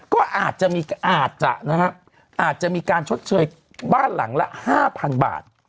ก็อาจจะมีการชดเชยบ้านหลังละ๕๐๐๐บาท